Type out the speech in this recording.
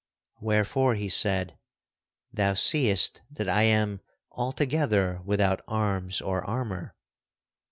Wherefore he said, "Thou seest that I am altogether without arms or armor."